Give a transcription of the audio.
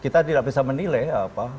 kita tidak bisa menilai apa